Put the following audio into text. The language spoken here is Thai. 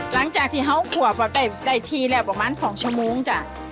หลังจากที่ขอได้ที๒ชมจ้ะ